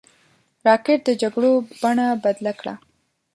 راکټ د جګړو بڼه بدله کړه